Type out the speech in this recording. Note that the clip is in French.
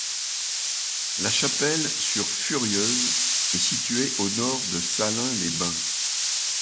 La Chapelle-sur-Furieuse est situé au nord de Salins-les-Bains.